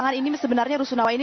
ya terus ini